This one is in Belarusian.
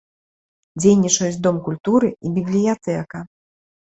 Дзейнічаюць дом культуры і бібліятэка.